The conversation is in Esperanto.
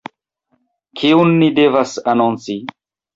Kiun mi devas anonci?